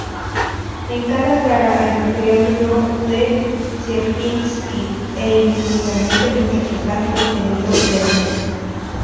En cada cara hay un triángulo de Sierpinski e infinitamente muchos están contenidos dentro.